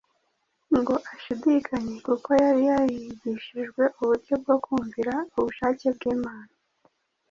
ngo ashidikanye kuko yari yarigishijwe uburyo bwo kumvira ubushake bw’Imana.